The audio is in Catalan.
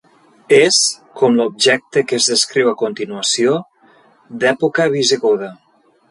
És, com l'objecte que es descriu a continuació, d'època visigoda.